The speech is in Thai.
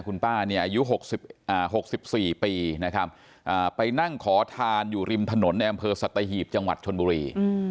คุณป้าอายุ๖๔ปีไปนั่งขอทานอยู่ริมถนนแอมเภอสัตยีหีบจังหวัดชนบุรี